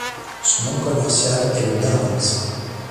Son nom commercial est le Nerlynx.